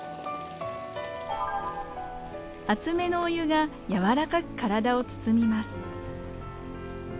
熱めのお湯が柔らかく体を包みます。